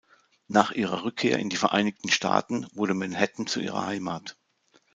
Nach ihrer Rückkehr in die Vereinigten Staaten wurde Manhattan zu ihrer Heimat.